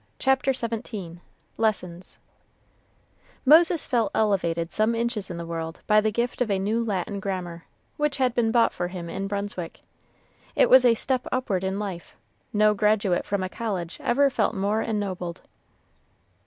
CHAPTER XVII LESSONS Moses felt elevated some inches in the world by the gift of a new Latin grammar, which had been bought for him in Brunswick. It was a step upward in life; no graduate from a college ever felt more ennobled.